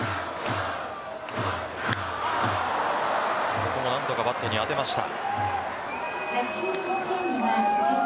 ここも何とかバットに当てました。